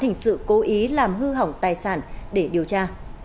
hình sự cố ý làm hư hỏng tài sản để điều tra